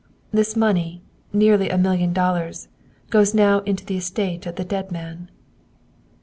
This money, nearly a million dollars, goes now into the estate of the dead man!"